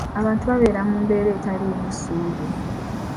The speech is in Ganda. Abantu babeera mu mbeera etaliimu ssuubi.